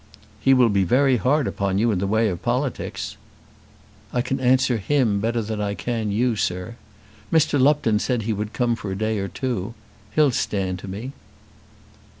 "He will be very hard upon you in the way of politics." "I can answer him better than I can you, sir. Mr. Lupton said he would come for a day or two. He'll stand to me."